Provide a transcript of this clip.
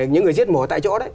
những người giết mổ tại chỗ